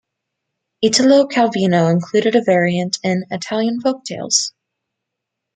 Italo Calvino included a variant in "Italian Folktales".